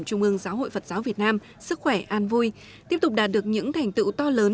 trung ương giáo hội phật giáo việt nam sức khỏe an vui tiếp tục đạt được những thành tựu to lớn